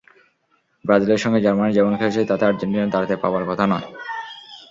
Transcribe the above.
ব্রাজিলের সঙ্গে জার্মানি যেমন খেলেছে, তাতে আর্জেন্টিনার দাঁড়াতে পারার কথা নয়।